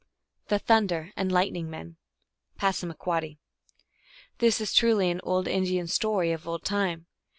263 The Thunder and Lightning Men. (Passamaquoddy.) This is truly an old Indian story of old time.